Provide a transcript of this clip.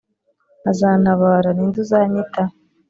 azantabara Ni nde uzanyita